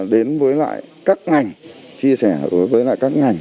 đến với lại các ngành chia sẻ đối với lại các ngành